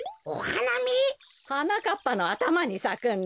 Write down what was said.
はなかっぱのあたまにさくんだよ。